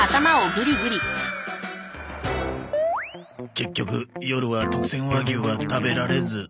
結局夜は特選和牛は食べられず。